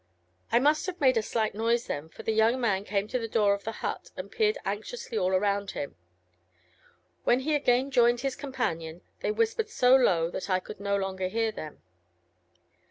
I must have made a slight noise then, for the young man came to the door of the hut, and peered anxiously all round him. When he again joined his companion, they whispered so low, that I could no longer hear them."